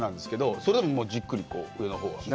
それでもじっくり上のほうは。